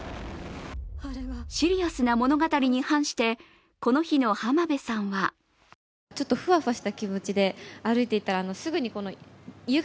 シリアスな物語に反して、この日の浜辺さんはと、とってもマイペース。